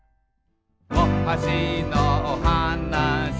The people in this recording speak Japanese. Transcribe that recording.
「おはしのおはなし」